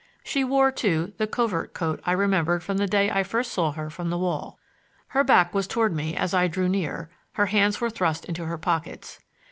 She wore, too, the covert coat I remembered from the day I saw her first from the wall. Her back was toward me as I drew near; her hands were thrust into her pockets.